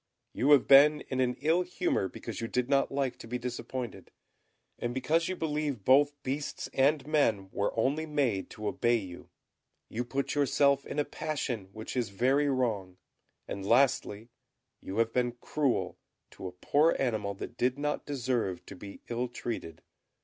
You have been in an ill humour because you did not like to be disappointed, and because you believe both beasts and men were only made to obey you. You put yourself in a passion, which is very wrong, and, lastly, you have been cruel to a poor animal that did not deserve to be ill treated.